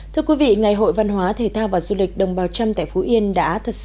thưa quý vị ngày hội văn hóa thể thao và du lịch đồng bào trâm